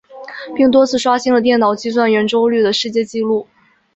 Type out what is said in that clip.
并多次刷新了电脑计算圆周率的世界纪录。